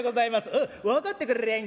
「うん分かってくれりゃいいんだ。